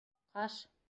— Ҡаш?!